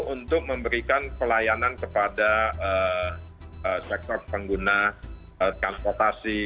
untuk memberikan pelayanan kepada sektor pengguna transportasi